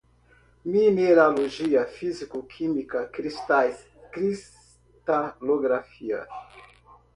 mineralogia, físico-química, cristais, cristalografia